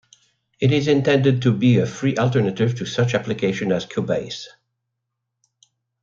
It is intended to be a free alternative to such applications as Cubase.